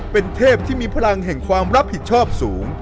เป็นเทพที่มีพลังแห่งความรับผิดชอบสูง